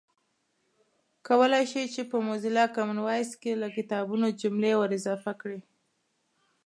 کولای شئ چې په موزیلا کامن وایس کې له کتابونو جملې ور اضافه کړئ